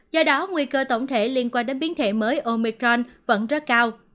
do đó nguy cơ tổng thể liên quan đến biến thể mới omicron vẫn rất cao